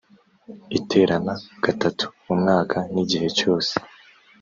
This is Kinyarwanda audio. iterana gatatu mu mwaka n igihe cyose